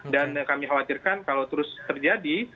dan kami khawatirkan kalau terus terjadi